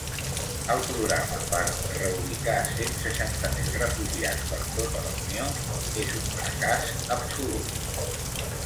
El programa per reubicar cent seixanta mil refugiats per tota la unió és un fracàs absolut.